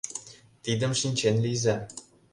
Тидым шинчен лийза.